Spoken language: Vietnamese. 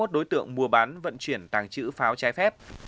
bốn mươi một đối tượng mua bán vận chuyển tàn trữ pháo trái phép